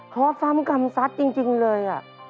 เพราะฟังคำสัตว์จริงเลย